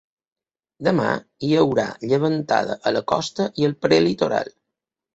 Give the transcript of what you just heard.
Demà hi haurà llevantada a la costa i al prelitoral.